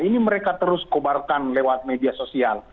ini mereka terus kobarkan lewat media sosial